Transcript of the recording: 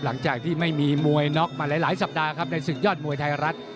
หลังจากที่ไม่มีมวยน็อกมาหลายสัปดาห์ครับในศึกยอดมวยไทยรัฐ